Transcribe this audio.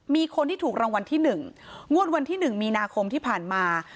มีคนที่ถูกรางวัลที่๑งวดวันที่๑มีนาคมที่ผ่านมา